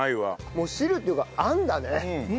もう汁っていうかあんだね。